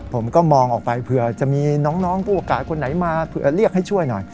ผมก็มองออกไปเผื่อจะมีน้องผู้อากาศคนไหนมาเผื่อเรียกให้ช่วยหน่อย